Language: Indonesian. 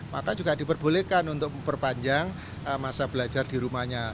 maka juga diperbolehkan untuk memperpanjang masa belajar di rumahnya